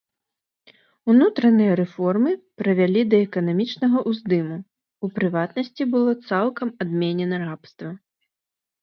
Унутраныя рэформы прывялі да эканамічнага ўздыму, у прыватнасці, было цалкам адменена рабства.